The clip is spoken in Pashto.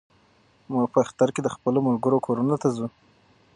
موږ په اختر کې د خپلو ملګرو کورونو ته ځو.